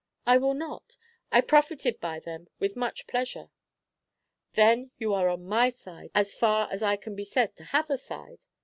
"I will not. I profited by them with much pleasure." "Then you are on my side, as far as I can be said to have a side?"